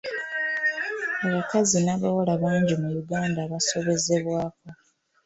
Abakazi n'abawala bangi mu Uganda abasobezebwako.